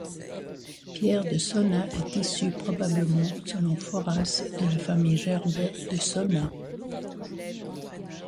Pierre de Sonnaz est issu probablement, selon Foras, de la famille Gerbais de Sonnaz.